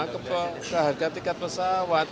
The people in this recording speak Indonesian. ke harga dekat pesawat